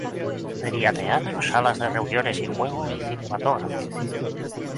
Tenía teatro, salas de reuniones y juego y cinematógrafo.